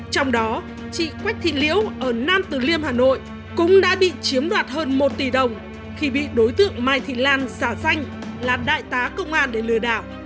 trong đó chị quách thị liễu ở nam từ liêm hà nội cũng đã bị chiếm đoạt hơn một tỷ đồng khi bị đối tượng mai thị lan xả xanh là đại tá công an để lừa đảo